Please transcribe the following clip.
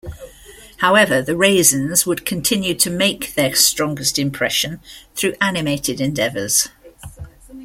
However, the Raisins would continue to make their strongest impression through animated endeavors.